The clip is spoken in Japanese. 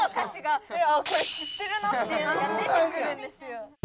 いうのが出てくるんですよ。